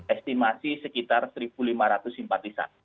estimasi sekitar satu lima ratus simpatisan